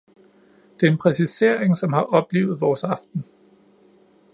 Det er en præcisering, som har oplivet vores aften.